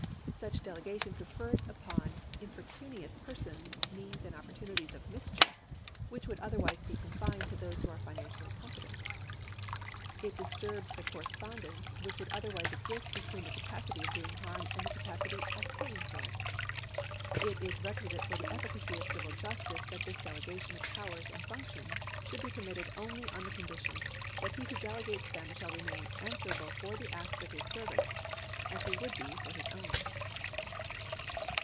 Such delegation confers upon impecunious persons means and opportunities of miscnief which would otherwise be confined to those who are financially competent. It disturbs the correspondence which would otherwise exist between the capacity of doing harm and the capacity of paying for it. It is requisite for the efificacy of civil justice that this delegation of powers and functions should be permitted only on the condition that he who delegates them shall remain answer able for the acts of his servants, as he would be for his own.